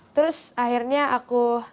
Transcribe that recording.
terus akhirnya aku